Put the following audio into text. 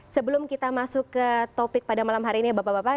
sebelum kita masuk ke topik pada malam hari ini ya bapak bapak